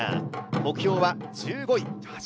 目標は１５位です。